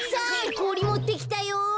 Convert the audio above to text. こおりもってきたよ。